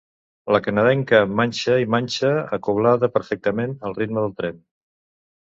La canadenca manxa i manxa, acoblada perfectament al ritme del tren.